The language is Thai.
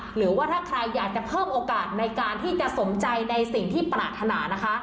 หรือว่าถ้าใครอยากจะเพิ่มโอกาสในการที่จะสมใจในสิ่งที่ปรารถนานะคะ